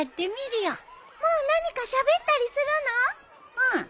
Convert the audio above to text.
うん。